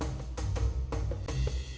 semoga hari ini berjalan baik